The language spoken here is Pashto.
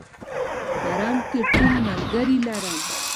حرم کې ټینګ ملګري لري.